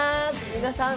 皆さん